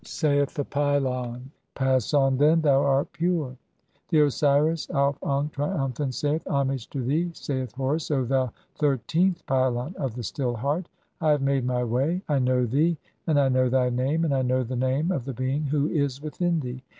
[Saith the pylon :—] "Pass on, then, thou art pure." XIII. (47) The Osiris Auf ankh, triumphant, saith :— "Homage to thee, saith Horus, O thou thirteenth pylon of "the Still Heart. I have made [my] way. I know thee, and I "know (48) thy name, and I know the name of the being who "is within thee.